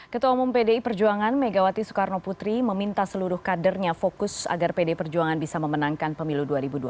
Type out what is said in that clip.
ketua umum pdi perjuangan megawati soekarno putri meminta seluruh kadernya fokus agar pd perjuangan bisa memenangkan pemilu dua ribu dua puluh